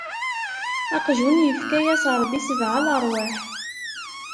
Aqjun ifka-yas Ṛebbi sebɛa leṛwaḥ.